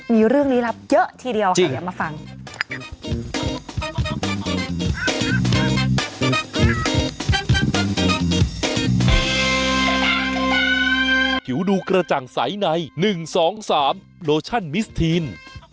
มีเรื่องลี้ลับเยอะทีเดียวค่ะเดี๋ยวมาฟัง